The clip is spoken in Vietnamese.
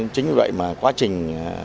chính vậy mà quá trình